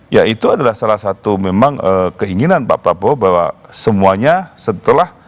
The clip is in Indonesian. ya itu adalah salah satu memang keinginan pak prabowo bahwa semuanya setelah